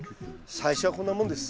最初はこんなもんです。